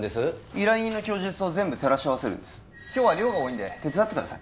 依頼人の供述を全部照らし合わせるんです今日は量が多いんで手伝ってください